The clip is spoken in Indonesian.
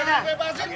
bagi ini bagi ini